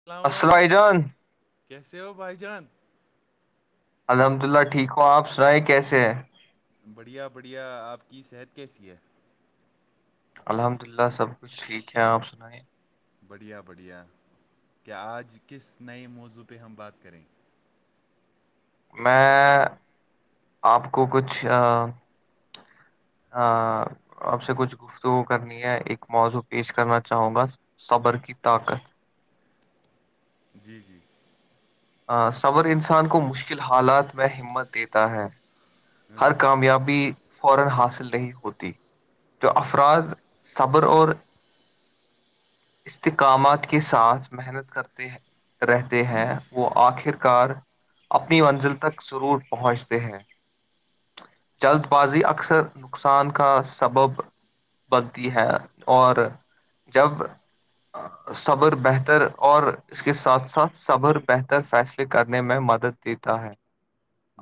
السلام علیکم بھائی جان کیسے ہو بھائی جان الحمد للہ ٹھیک ہو آپ سنائ کیسے ہیں بڑھیا بڑھیا آپ کی صحت کیسی ہے الحمد للہ سب کچھ ٹھیک ہے آپ سنیں بڑھیا بڑھیا کیا آج کس نئے موضوع پہ ہم بات کریں میں آپ کو کچھ ہ آپ سے کچھ گفتگو کرنی ہے ایک موضوع پیش کرنا چاہوں گا صبر کی طاقت جی جی صر انسان کو مشکل حالات میں ہمت دیتا ہے ہر کامیابی فورا حاصل نہیں ہوتی جو افراد صبر اور استحکامات کے ساتھ محنت کرتے رہتے ہیں وہ آخر کار اپنی منزل تک ضرور پہنچتے ہیں جلد بازی اکثر نقصان کا سبب بنتی ہے اور جب صبر بہتر اور اس کے ساتھ ساتھ صبر بہتر فیصلے کرنے میں مدد دیتا ہے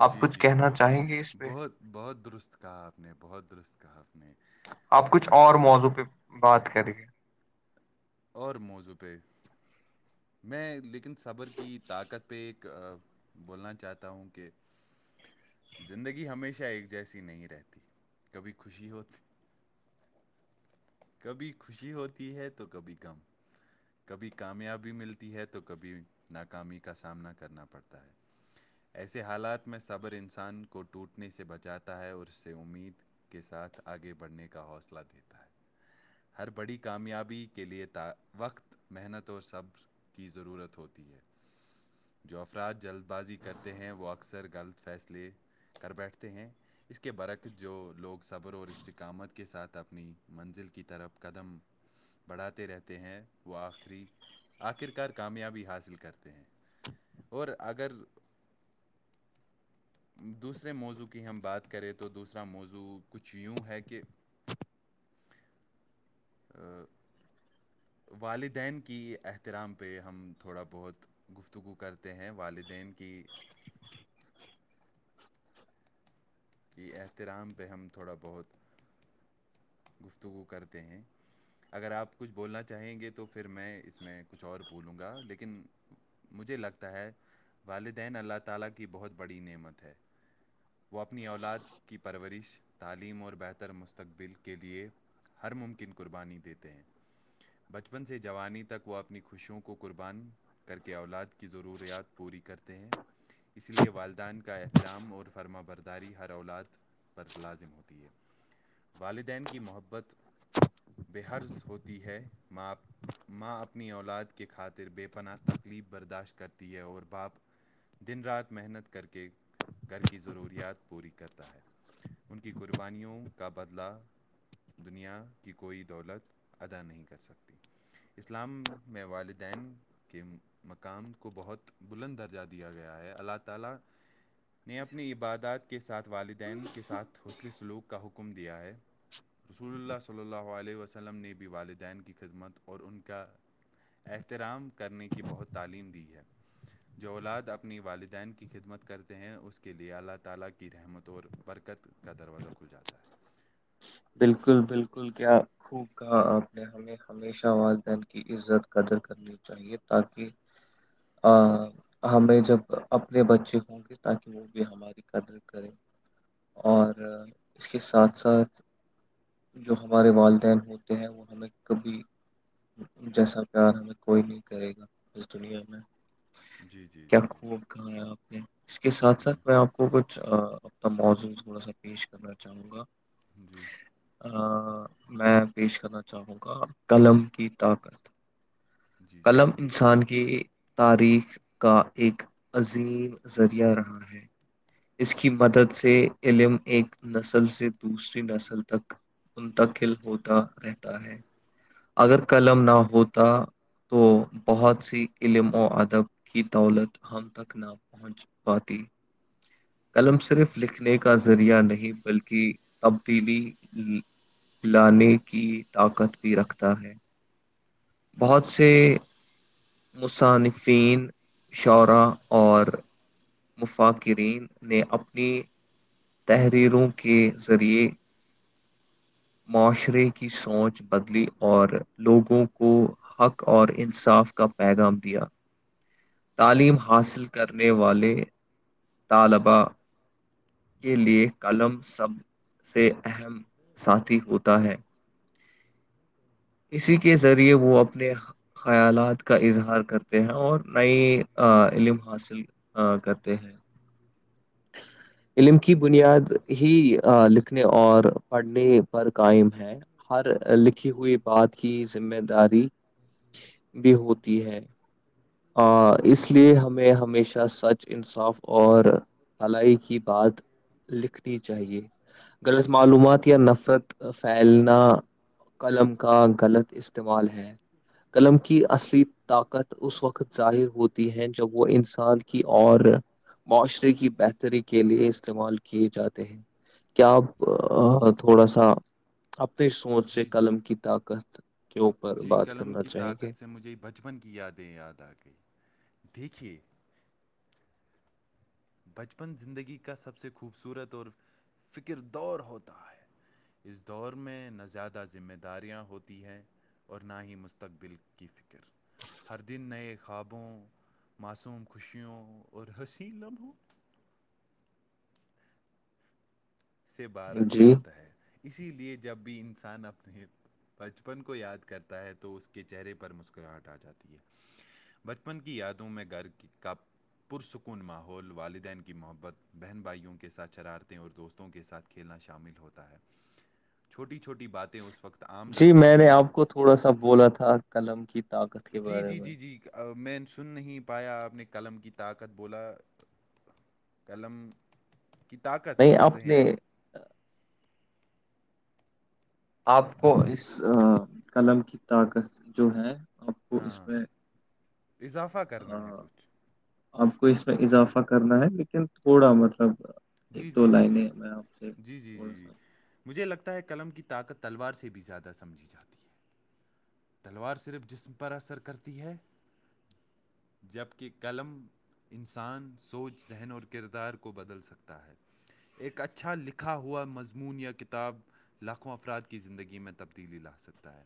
آپ جی کچھ جی کہنا ب چاہیں گے اس پہ بہت بہت درست کہا آپ نے بہت درست کہا آپ نے اب کچھ اور مو پازیٹیو بات کریے اور موضوع پہ میں لیکن صبر کی طاقت پہ ایک بولنا چاہتا ہوں کہ زندگی ہمیشہ ایک جیسی نہیں رہتی کبھی خوشی ہوتی کبھی خوشی ہوتی ہے تو کبھی کم کبھی کامیابی ملتی ہے تو کبھی ناکامی کا سامنا کرنا پڑتا ہے ایسے حالات میں صبر انسان کو ٹوٹنے سے بچاتا ہے اور اس سے امید کے ساتھ آگے بڑھنے کا حوصلہ دیتا ہے ہر بڑی کامیابی کے لیئے ت وقت محنت اور صبر کی ضرورت ہوتی ہے جو افراد جلد بازی کرتے ہیں وہ اکثر غلط فیصلے کر بیٹھتے ہیں اس کے برک جو لوگ صبر اور استقامت کے ساتھ اپنی منزل کی طرف قدم بڑھاتے رہتے ہیں وہ آخری آخرکار کامیابی حاصل کرتے ہیں اور اگر [inaudible] دوسرے موضوع کی ہم بات کریں تو دوسرا موضوع کچھ یوں ہے کہ والدین کی احترام پہ ہم تھوڑا بہت [unintelligible] گفتگو کرتے ہیں والدین کی [unintelligible] کہ احترام پہ ہم تھوڑا بہت گفتگو کرتے ہیں اگر آپ کچھ بولنا چاہیں گے تو پھر میں اس میں کچھ اور بولوں گا لیکن مجھے لگتا ہے والدین اللہ تعالی کی بہت بڑی نعمت ہے وہ اپنی اولاد کی پرورش تعلیم اور بہتر مستقبل کے لیے ہر ممکن قربانی دیتے ہیں بچپن سے جوانی تک وہ اپنی خوشیوں کو کو قربان کر کے اولاد کی ضروریات پوری کرتے ہیں اسی لیے والدین کا احترام اور فرما برداری ہر اولاد پر لازم ہوتی ہے والدین کی محبت بے حرض ہوتی ہے ماںپ ماں اپنی اولاد کی خاطر بے پناہ تکلیف برداشت کرتی ہے اور باپ دن رات محنت کر کے گھر ضروریات پوری کرتا ہے ان کی قربانیوں کا بدلا دنیا کی کوئی دولت ادا نہیں کر سکتی اسلام میں والد بہت بلند درجہ دیا گیا ہے اللہ تعالی نے اپنی عبادات کے ساتھ والدین کے ساتھ حسلی سلوک کا حکم دیا ہے رسول اللہ صلی اللہ علیہ وسلم نے بھی والدین کی خدمت اور ان کا احترام کرنے کی بہت تعلیم دی ہے جو اولاد اپنی والدین کی خدمت کرتے ہیں اس کے لیے اللہ تعالی کی رحمت اور برکت کا دروازہ کھل جاتا ہے بالکل بالکل کیا خوب کہا آپ نے ہم نے ہمیشہ والدین کی عزت قدر کرنی چاہیے تاکہ ہمیں جب اپنے بچے ہوں گے تاکہ وہ بھی ہمارے قدر کریں اور اس کے ساتھ ساتھ جو ہمارے والدین ہوتے ہیں وہ ہمیں کبھی جیسا پیار ہمیں کوئی نہیں کرے گا اس دنیا میں جی جی کیا جی خوب کہایا آپ نے اس کے ساتھ ساتھ میں آپ کو کو کچھ اپنا موضو تھوڑا سا پیش کرنا چاہوں گا جی میں پیش کرنا چاہوں گا قلم کی طاقت جی کلم انسان کی تاریخ کا ایک عظیم ذریعہ رہا ہے اس کی مدد سے علم ایک نسل سے دوسری نسل تک منتقل ہوتا رہتا ہے اگر قلم نہ ہوتا تو بہت سی علم و ادب کی دولت ہم تک نہ پہنچ پاتی قلم صرف لکھنے کا ذریعہ نہیں بلکہ تبدیلی لانے کی طاقت بھی رکھتا ہے بہت سے مصنفین شعرا اور مفقرین نے اپنی تحریروں کے ذریعے معاشرے کی سوچ بدلی اور لوگوں کو حق اور انصاف کا پیغام دیا تعلیم حاصل کرنے والے طلبا کے لیے کاللم سب سے اہم ساتھی ہوتا ہے اسی کے ذریعے وہ اپنے خیالات کا اظہار کرتے ہیں اور نئی علم حاصل کرتے ہیں علم کی بنیاد ہی لکھنے اور پڑھنے پر قائم ہے ہر لکھی ہوئی بات کی ذمہ داری بھی ہوتی ہے اس لیے ہمیں ہمیشہ سچ انصاف اور بھلائی کی بات لکھنی چاہیے غلط معلومات یا نفرت پھیلنا قلم کا غلط اس استعمال ہیں قلم کی اصلی طاقت اس وقت ظاہر ہوتی ہے جب وہ ان ان کی اور معاشرے کی بہتری کے لیے استعمال کیے جاتے ہیں کیا آپ تھوڑا سا اپنی سوچ سے جی جی قلم کی جی طاقت کے اوپر جی بات قلم کرنا کی چاہیں گے طاقت سے مجھے بچپن کی یادیں یاد آ گئ دیکھیے بچپن زندگی کا سب سے خوبصورت اور فکر دور ہوتا ہے اس دور میں نہ زیادہ ذمہ داریاں ہوتی ہیں اور نہ ہی مستقبل کی فکر ہر دن نئے خوابوں معصوم خوشیوں اور ہنسی لمحوں سے بار جی ہوتا ہے اسی لیے جب بھی انسان اپنے بچپن کو یاد کرتا ہے تو اس کے چہرے پر مسکراہٹ آ جاتی ہے بچپن کی یادوں میں گھر کا پرسکون ماحول والدین کی محبت بہن بھائیوں کے ساتھ شرارتیں اور دوست کے ساتھ کھیلنا شامل ہوتا ہے چھوٹی چھوٹی باتیں اس وقت عام جی لگتی میں ہیں نے لیکن آپ کو تھوڑا سا بولا تھا قلم کی طاقت کے جی بارے جی میں جی جی میں سن نہیں پایا آپ نے قلم کی طاقت بولا قلم کی طاقت نہیں بول رہے ہیں نے آپ آپ کو اس قلم کی طاقت جو ہے آپ کو اس ہاں میں اضافہ آ، کرنا ہے کچھ آپ کو اس میں اضافہ کرنا ہے لیکن تھوڑا مطلب جی ایک دو جی جی لائن جی میں آپ جی جی جی سےڑا جی سا مجھے لگتا ہے قلم کی طاقت تلوار سے بھی زیادہ سمجھی جاتی ہے تلوار صرف جسم پر اثر کرتی ہے جبکہ قلم انسان سوچ ذہن اور کردار کو بدل سکتا ہے ہے ایک اچھا لکھا ہوا مضمون یا کتاب لاکھوں افراد کی زندگی میں تبدیلی لا سکتا ہے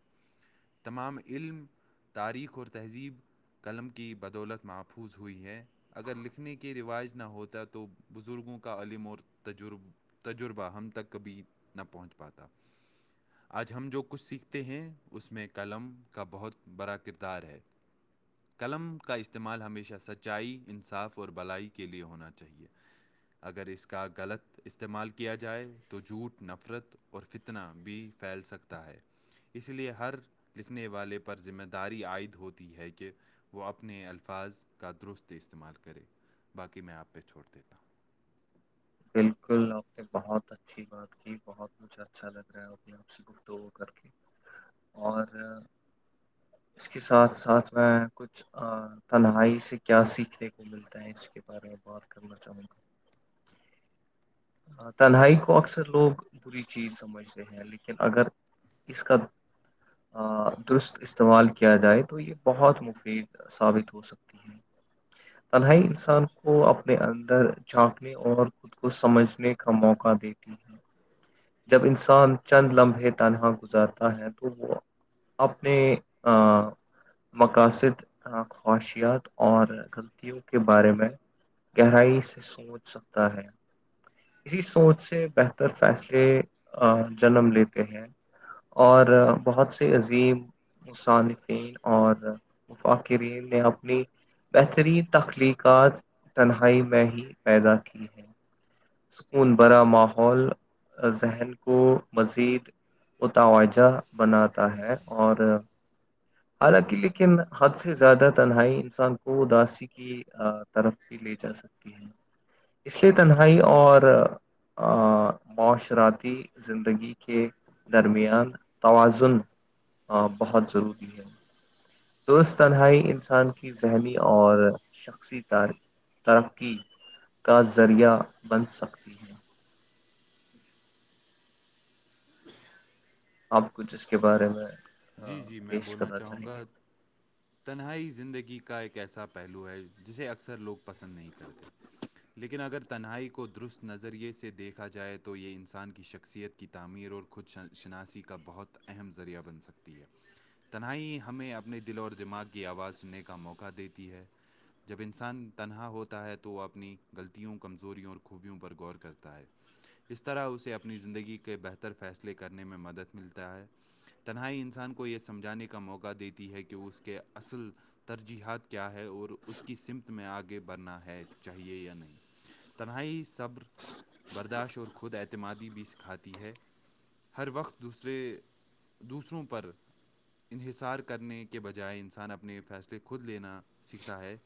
تمام علم تاریخ اور تہذیب قلم کی بدولت محفوظ ہوئی ہے اگر لکھنے کے رواج نہ ہوتا تو بزرگوں کو کا علیمور تجر تجربہ ہم تک کبھی نہ پہنچ پاتا [unintelligible] آج ہم جو کچھ سیکھتے ہیں اس میں قلم کا بہت بڑا کردار ہے قلم کا استعمال ہمیشہ سچائی انصاف اور بلائی کے لئے ہونا چاہیے اگر اس کا غلط استعمال کیا جائے تو جھوٹ نفرت اور فتنا بھی پھیل سکتا ہے اس لیے ہر لکھنے والے پر ذمہ داری عائد ہوتی ہے کہ وہ اپنے الفاظ کا درست استعمال کرے باقی میں آپ پہ چھوڑ دیتا ہوں بالکل آپ نے بہت اچھی بات کی بہت مجھے اچھا لگ رہا ہے اپنے آپ سے گفتگو کر کے اور اس کے ساتھ ساتھ میں کچھ تنہائی سے کیا سیکھنے کو ملتا ہے اس کے بارے میں بات کرنا چاہوں گا ہ تنہائی کو اکثر لوگ بری چیز سمجھتے ہے لیکن اگر اس کا درست استعمال کیا جائے تو یہ بہت مفید ثابت ہو سکتی ہے تنہائی انسان کو اپنے اندر جھانک اور خود کو سمجھنے کا موقع دیتی جب انسان چند لمحے تنہا گزارتا ہے تو وہ اپنے مقاصد خواہشیات اور کے بارے میں گہرائی سے سوچ سکتا ہے اسی سوچ سے بہتر فیصلے جنم لیتے ہیں اور بہت سے عظیم مصنفین اور وفاقرین نے اپنی بہترین تخلیقات تنہائی میں ہی پیدا کی ہیں سکون بھرا ماحول ذہن کو مزید وہ توجہ بناتا ہے اور حالانکہ لیکن حد سے زیادہ تنہائی انسان کو اداسی کی طرف بھی لے جا سکتی ہے اس لیے تنہائی اور معاشراتی زندگی کے درمیان توازن ہاں بہت ضروری ہے درست تنہائی انسان کی ذہنی اور ترقی کا ذریعہ بن سکتی ہے آپ کچھ جس کے بارے میں جی آ، جی میں پیش بولنا کرنا چاہوں چاہیں گا گے تنہائی زندگی کا ایک ایسا پہلو ہے جسے اکثر لوگ پسند نہیں کرتے لیکن اگر تنہائی کو درست نظریے سے دیکھا جائے تو یہ انسان کی شخصیت کی تعمیر اور خود شناسی کا بہت اہم ذریعہ بن سکتا ہے ہے تنہائی ہمیں اپنے دل اور دماغ کی آواز سننے کا موقع دیتی ہے جب انسان تنہا ہوتا ہے تو وہ اپنی غلطیوں کمزوریوں اور خوبیوں پر غور کرتا ہے اس طرح اسے اپنی زندگی کے بہتر فیصلے کرنے میں مدد ملتا ہے تنہائی ان انسان کو یہ سمجھانے کا موقع دیتی ہے کہ اس کے اصل ترجیحات کیا ہے اور اس کی سمت میں آگے بڑھنا ہے چاہیے یا نہیں تنہائی صبر برداشت اور خود اعتمادی بھی سکھاتی ہے ہر وقت دوسرے دوسروں پر انحصار کرنے کے بجائے انسان اپنے فیصلے خود لینا سیکھتا ہے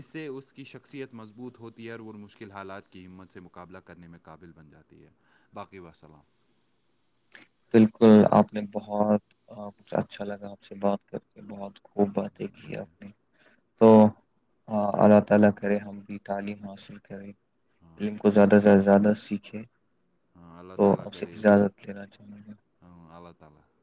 اس سے اس کی شخصیت مضبوط ہوتی اور وہ مشکل حالات کی ہمت سے مقابلہ کرنے میں قابل بن جاتی ہے باقی وسلام بالکل آپ نے بہت کچھ اچھا لگا آپ سے بات کر کے بہت خوب باتیں کی بڑھیا آپ نے تو ہاں اللہ تعالی کرے ہم بھی تعلیم حاصل کریں علم کو زیادہ سے زیادہ سیکھے ہاں اللہ تو تعالی آپ سے کریے اجازت لینا چاہوں گا ہاں اللہ تعالی